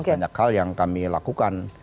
banyak hal yang kami lakukan